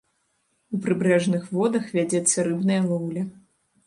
У прыбярэжных водах вядзецца рыбная лоўля.